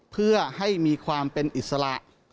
เพื่อให้มีความเป็นอิสระ